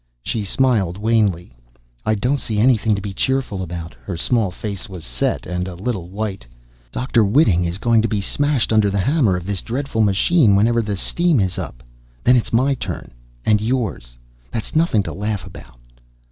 She smiled wanly. "I don't see anything to be cheerful about." Her small face was set and a little white. "Dr. Whiting is going to be smashed under the hammer of this dreadful machine, whenever the steam is up. Then it is my turn. And yours. That's nothing to laugh about."